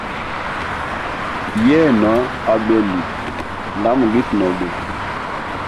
Yena abeli nda mugisi nobe.